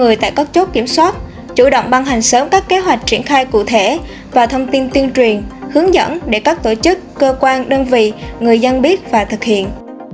người tại các chốt kiểm soát chủ động băng hành sớm các kế hoạch triển khai cụ thể và thông tin tuyên truyền hướng dẫn để các tổ chức cơ quan đơn vị người dân biết và thực hiện